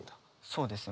そうです。